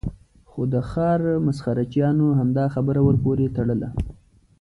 خو د ښار مسخره چیانو همدا خبره ور پورې تړله.